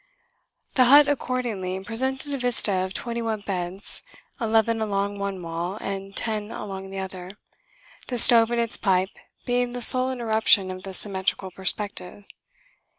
The hut, accordingly, presented a vista of twenty one beds, eleven along one wall and ten along the other, the stove and its pipe being the sole interruption of the symmetrical perspective.